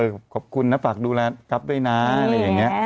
ขอบคุณนะฝากดูแลกั๊บด้วยนะอะไรอย่างนี้